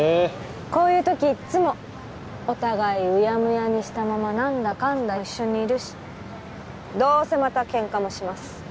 こういうときいっつもお互いうやむやにしたままなんだかんだ一緒にいるしどうせまたケンカもします